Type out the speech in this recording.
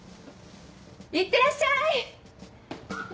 いってらっしゃい！